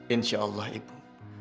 insya allah ibu